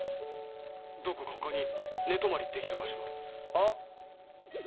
どこか他に寝泊まりできる場所あっ！